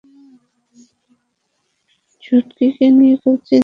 শুটুকে নিয়ে খুব চিন্তায় আছি।